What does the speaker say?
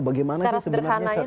bagaimana sih sebenarnya